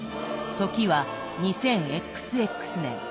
時は２０ＸＸ年。